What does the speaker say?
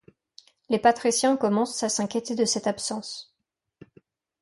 Les patriciens commencent à s'inquiéter de cette absence.